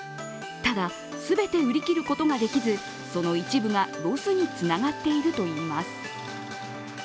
ただ、全て売り切ることができずその一部が、ロスにつながっているといいます。